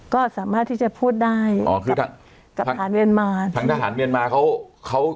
ก็สามารถที่จะพูดได้อ๋อคือทางกับทหารเมียนมาทางทหารเมียนมาเขาเขา